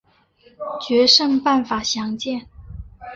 决胜办法详见。